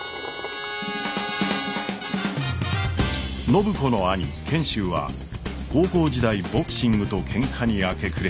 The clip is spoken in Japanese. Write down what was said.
暢子の兄賢秀は高校時代ボクシングとケンカに明け暮れて中退。